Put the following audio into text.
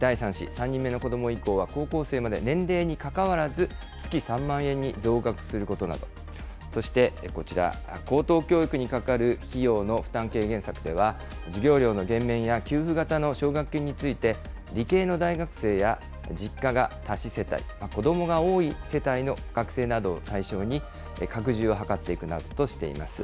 ３人目の子ども以降は高校生まで年齢に関わらず、月３万円に増額することなど、そしてこちら、高等教育にかかる費用の負担軽減策では、授業料の減免や給付型の奨学金について、理系の大学生や、実家が多子世帯、子どもが多い世帯の学生などを対象に、拡充を図っていくなどとしています。